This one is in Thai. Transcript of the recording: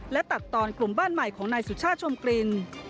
และตัดตอนกลุ่มบ้านใหม่ของนายสุชาติชมกลิ่น